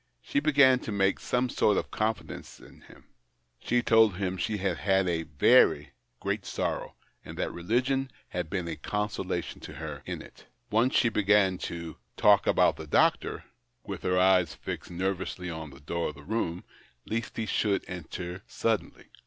She began to make some sort of confidences to him ; she told him that she had had a very great sorrow, and that religion had been a consolation to her in it. Once she beo; an to F €G THE OCTAVE OF CLAUDIUS. talk about the doctor — with her eyes fixed nervously on the door of the room, lest he should enter suddenly.